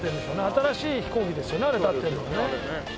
新しい飛行機ですよねあれ立ってるのね。